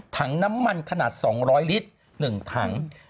ถังน้ำมันขนาด๒๐๐ลิตร๑ถัง